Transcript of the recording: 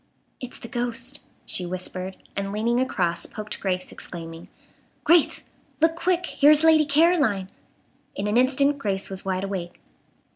"It's the ghost," she whispered; and leaning across poked Grace, exclaiming: "Grace! Look quick! here is Lady Caroline!" In an instant Grace was wide awake.